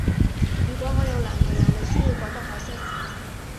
如果我有男朋友，你先要覺得可惜